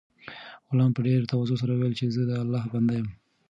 غلام په ډېر تواضع سره وویل چې زه د الله بنده یم.